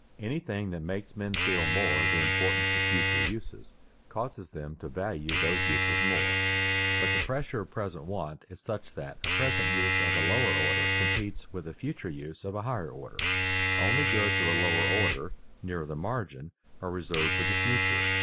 Anything that makes men feel more the importance of future uses causes them to value those uses more. But the pressure of present want is such that a present use of a lower order competes with a future use of a higher order. Only goods of a lower order, nearer the margin, are reserved for the future.